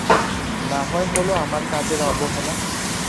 নাহয় হল আমার কাজের অবহেলা।